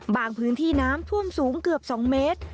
พื้นที่น้ำท่วมสูงเกือบ๒เมตร